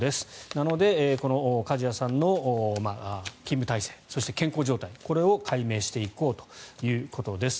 なので、梶谷さんの勤務体制、そして健康状態これを解明していこうということです。